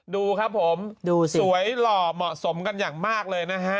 ดูครับผมดูสิสวยหล่อเหมาะสมกันอย่างมากเลยนะฮะ